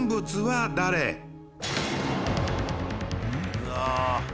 うわ。